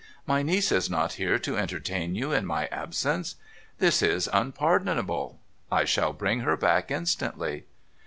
My niece is not here to entertain you in my absence ? This is unpardonable. I shall bring her back instantly.'